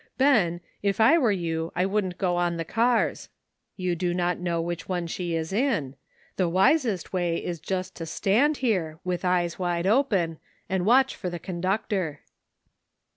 "Ben, if I were you I wouldn't go on the cars ; you do not know which one she is in ; the wisest way is just to stand here, with eyes wide open, and watch for the conductor."